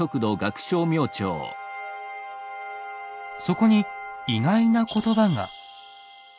そこに意外な言葉が。